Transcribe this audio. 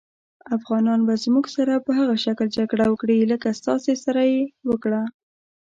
افغانان به زموږ سره په هغه شکل جګړه وکړي لکه ستاسې سره یې وکړه.